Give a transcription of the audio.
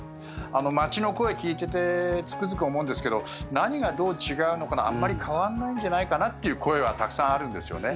街の声を聞いててつくづく思うんですけど何がどう違うのかなあんまり変わんないんじゃないかなという声はたくさんあるんですよね。